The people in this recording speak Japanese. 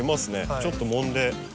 ちょっともんで。